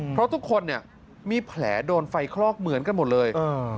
เพราะทุกคนเนี่ยมีแผลโดนไฟคลอกเหมือนกันหมดเลย